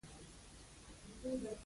هېواد د هر وګړي حق دی